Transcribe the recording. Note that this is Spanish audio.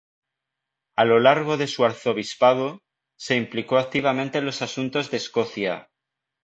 A lo largo de su arzobispado, se implicó activamente en los asuntos de Escocia.